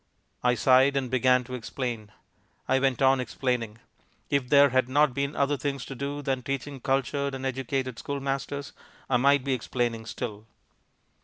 I sighed and began to explain. I went on explaining. If there had not been other things to do than teaching cultured and educated schoolmasters, I might be explaining still.